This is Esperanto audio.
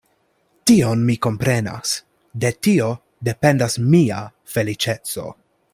Tion mi komprenas; de tio dependas mia feliĉeco.